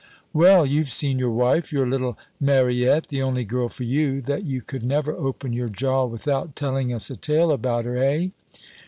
"Well, you've seen your wife, your little Mariette the only girl for you that you could never open your jaw without telling us a tale about her, eh?"